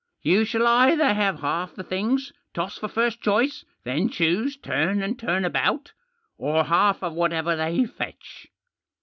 You shall either have half the things — toss for first choice, then choose turn and turn about ; or half of whatever they fetch."